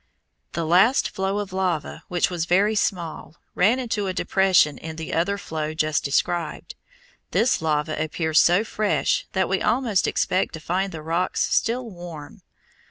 The last flow of lava, which was very small, ran into a depression in the other flow just described. This lava appears so fresh that we almost expect to find the rocks still warm.